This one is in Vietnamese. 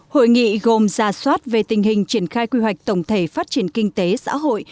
hội nghị gồm giả soát về tình hình triển khai quy hoạch tổng thể phát triển kinh tế xã hội